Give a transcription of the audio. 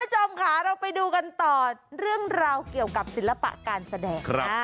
คุณผู้ชมค่ะเราไปดูกันต่อเรื่องราวเกี่ยวกับศิลปะการแสดง